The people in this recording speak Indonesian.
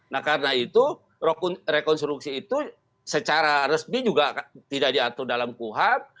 nah karena itu rekonstruksi itu secara resmi juga tidak diatur dalam kuhab